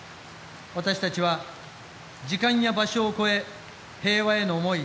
私たちは、時間や場所を越え平和への思い